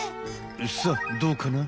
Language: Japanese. さあどうかな？